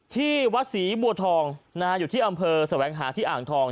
ที่วัดศรีบัวทองอยู่ที่อำเภอแสวงหาที่อ่างทอง